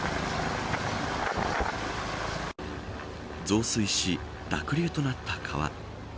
増水し、濁流となった川。